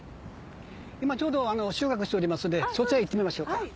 今ちょうど収穫しておりますのでそちら行ってみましょうか。